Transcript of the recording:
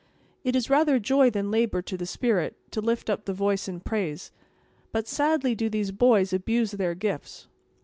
"It is rather joy than labor to the spirit, to lift up the voice in praise; but sadly do these boys abuse their gifts.